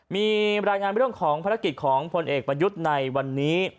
มีรายงานเรื่องของภารกิจของพลเอกประยุทธ์ในวันนี้